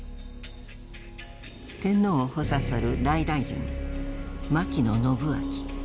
天皇を補佐する内大臣牧野伸顕。